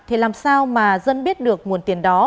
thì làm sao mà dân biết được nguồn tiền đó